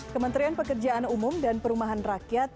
kementerian pekerjaan umum dan perumahan rakyat